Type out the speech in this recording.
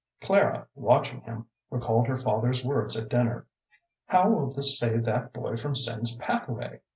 Clara, watching him, recalled her father's words at dinner. "How will this save that boy from sin's pathway?"